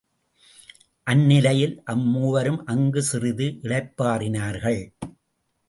அந்நிலையில் அம் மூவரும் அங்கு சிறிது இளைப்பாறினார்கள்.